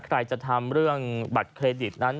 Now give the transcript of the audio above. ใครจะทำเรื่องบัตรเครดิตนั้น